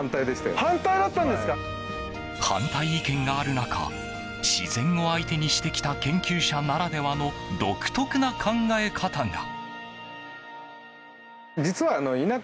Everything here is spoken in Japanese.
反対意見がある中自然を相手にしてきた研究者ならではの独特な考え方が。